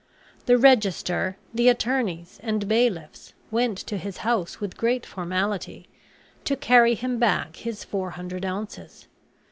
The register, the attorneys, and bailiffs, went to his house with great formality, to carry him back his four hundred ounces.